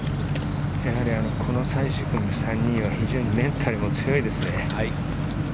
この最終組の３人は非常にメンタルも強いですね。